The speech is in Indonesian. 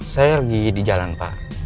saya pergi di jalan pak